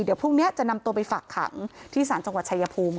เดี๋ยวพรุ่งนี้จะนำตัวไปฝากขังที่ศาลจังหวัดชายภูมิค่ะ